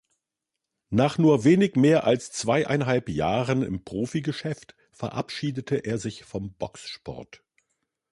Nach nur wenig mehr als zweieinhalb Jahren im Profigeschäft verabschiedete er sich vom Boxsport.